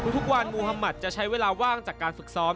ทุกวันมูฮามัติจะใช้เวลาว่างจากการฝึกซ้อม